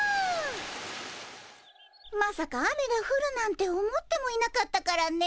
まさか雨がふるなんて思ってもいなかったからねえ。